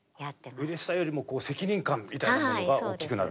うれしさよりも責任感みたいなものが大きくなる？